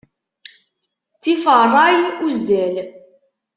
Ttif ṛṛay, uzzal.